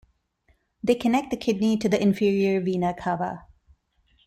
They connect the kidney to the inferior vena cava.